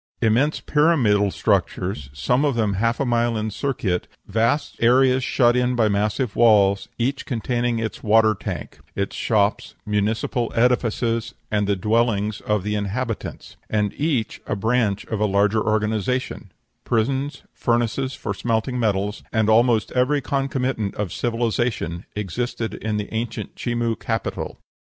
Immense pyramidal structures, some of them half a mile in circuit; vast areas shut in by massive walls, each containing its water tank, its shops, municipal edifices, and the dwellings of its inhabitants, and each a branch of a larger organization; prisons, furnaces for smelting metals, and almost every concomitant of civilization, existed in the ancient Chimu capital.